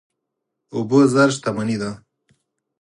اوبه زر شتمني ده.